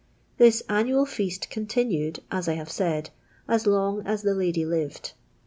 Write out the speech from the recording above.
This annual foast eontiinied, as I have said, as long as the lady lived.